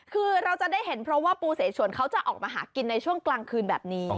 คือเราจะได้เห็นเพราะว่าปูเสชวนเขาจะออกมาหากินในช่วงกลางคืนแบบนี้